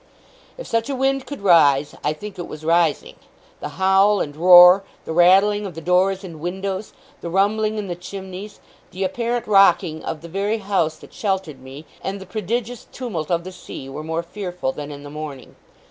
If such a wind could rise, I think it was rising. The howl and roar, the rattling of the doors and windows, the rumbling in the chimneys, the apparent rocking of the very house that sheltered me, and the prodigious tumult of the sea, were more fearful than in the morning.